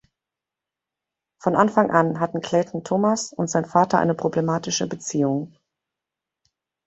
Von Anfang an hatten Clayton-Thomas und sein Vater eine problematische Beziehung.